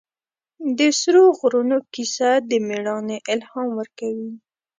د سرو غرونو کیسه د مېړانې الهام ورکوي.